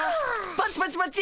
パチパチパチ！